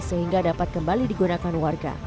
sehingga dapat kembali digunakan warga